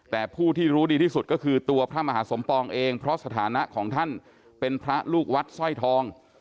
แต่ผู้ที่รู้ดีที่สุดก็คือตัวพระมหาสมปองเองเพราะสถานะของท่านเป็นพระลูกวัดสร้อยทอง